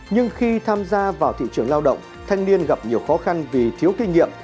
nhưng khi tham gia vào thị trường lao động thanh niên gặp nhiều khó khăn vì thiếu kinh nghiệm